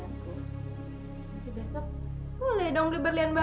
nanti besok boleh dong beli berlian baru